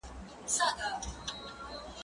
خبري د خلکو له خوا کيږي؟